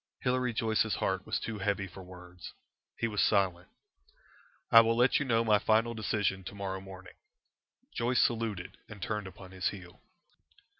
Hilary Joyce's heart was too heavy for words. He was silent. "I will let you know my final decision to morrow morning." Joyce saluted and turned upon his heel."